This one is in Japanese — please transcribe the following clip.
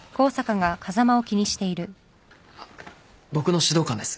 あっ僕の指導官です。